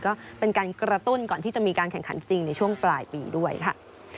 ก็เป็นการกระตุ้นก่อนที่จะมีการแข่งขันจริงในช่วงปลายปีด้วยค่ะ